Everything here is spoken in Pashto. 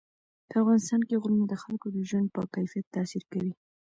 په افغانستان کې غرونه د خلکو د ژوند په کیفیت تاثیر کوي.